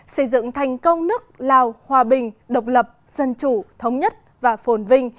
xây dựng thành công nước lào hòa bình độc lập dân chủ thống nhất và phồn vinh